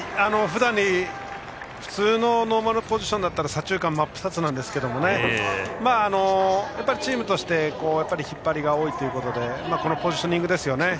普通のポジションだったら左中間真っ二つですがチームとして引っ張りが多いということでこのポジショニングですよね。